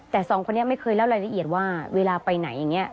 แต่สองคนนี้ไม่เคยเล่ารายละเอียดว่าเวลาไปไหนอย่างนี้